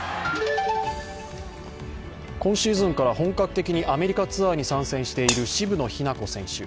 今シーズンから本格的にアメリカツアーに参戦している渋野日向子選手。